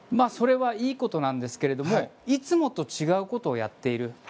それはいいことなんですがいつもと違うことをやっている。